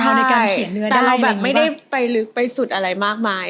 แต่เราไม่ได้ไปลึกไปสุดอะไรมากมาย